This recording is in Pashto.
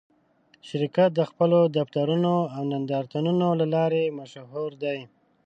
شرکت د خپلو دفترونو او نندارتونونو له لارې مشهور دی.